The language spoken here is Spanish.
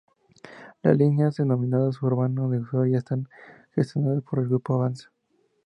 Las líneas, denominadas Urbano de Soria, están gestionadas por el grupo Avanza.